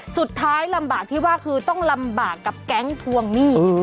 สุดท้ายลำบากที่ว่าคือต้องลำบากกับแก๊งทวงหนี้